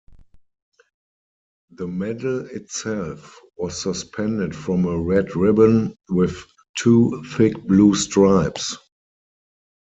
The medal itself was suspended from a red ribbon with two thick blue stripes.